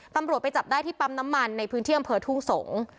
ตำรวจไปจับได้ที่ปั๊มน้ำมันในพื้นที่อำเภอทุ่งสงศ์